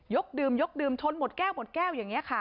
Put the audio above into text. ดื่มยกดื่มชนหมดแก้วหมดแก้วอย่างนี้ค่ะ